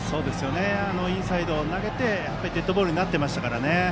インサイドを投げてデッドボールになっていましたからね。